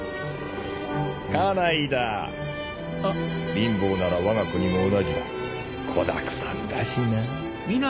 貧乏ならわが国も同じだ子だくさんだしな。